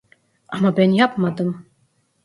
Ama ben yapmadım.